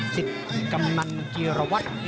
สิทธิ์กำลังจิรวรรษ